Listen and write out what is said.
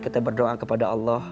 kita berdoa kepada allah